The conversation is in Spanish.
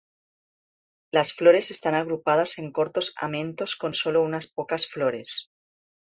La flores están agrupadas en cortos amentos con sólo unas pocas flores.